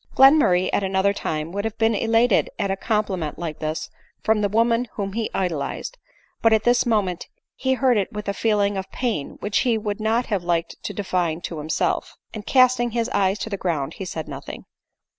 Glenmurray at another time would have been elated at a compliment like this from the woman whom he idol ized ; but at this moment he heard it with a feeling of pain which he would not have liked to define to himself, and casting his eyes to the ground he said nothing.